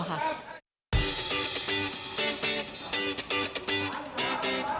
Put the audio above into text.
เช่นเดียวกับครอบครัวปรสิทธิ์พรกุลที่ยอมรับว่า